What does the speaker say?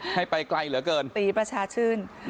ให้ไปไกลเหลือเกินตีประชาชื่น